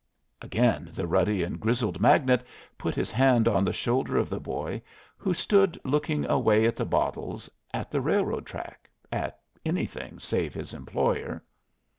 Again the ruddy and grizzled magnate put his hand on the shoulder of the boy, who stood looking away at the bottles, at the railroad track, at anything save his employer.